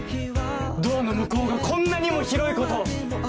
ドアの向こうがこんなにも広いこと。